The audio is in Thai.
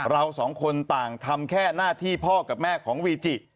เราสองคนต่างทำแค่หน้าที่พ่อกับแม่ของวีจิ